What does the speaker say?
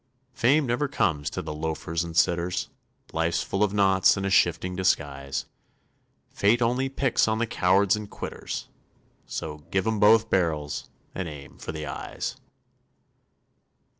Fame never comes to the loafers and sitters, Life's full of knots in a shifting disguise; Fate only picks on the cowards and quitters, So give 'em both barrels and aim for the eyes.